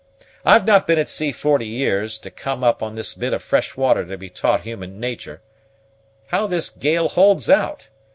I've not been at sea forty years, to come up on this bit of fresh water to be taught human natur'. How this gale holds out!